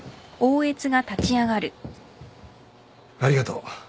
ありがとう。